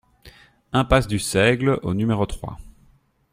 Impasse du Seigle au numéro trois